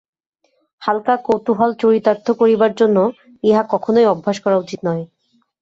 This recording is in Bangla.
হাল্কা কৌতূহল চরিতার্থ করিবার জন্য ইহা কখনই অভ্যাস করা উচিত নয়।